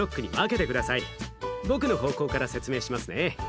僕の方向から説明しますね。